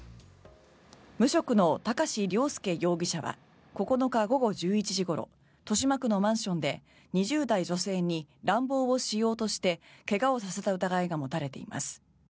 無職の高師良介容疑者は９日午後１１時ごろ豊島区のマンションで２０代女性に乱暴をしようとして怪我をさせた疑いが持たれています。